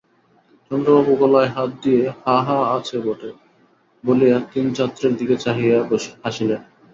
চন্দ্রবাবু গলায় হাত দিয়া হাঁ হাঁ আছে বটে বলিয়া তিন ছাত্রের দিকে চাহিয়া হাসিলেন।